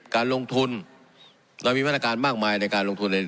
การลงทุนเรามีมาตรการมากมายในการลงทุนเลย